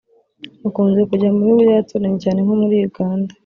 bakunze kujya mu bihugu by’abaturanyi cyane nko muri Uganda